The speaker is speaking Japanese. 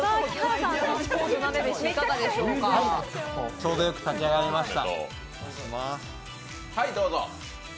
ちょうどよく炊き上がりました。